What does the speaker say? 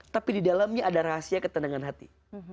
tapi di dalamnya ada rahasia ketenangan hati